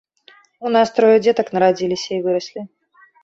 У нас трое дзетак нарадзіліся і выраслі.